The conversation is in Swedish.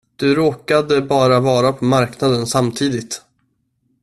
Du råkade bara vara på marknaden samtidigt.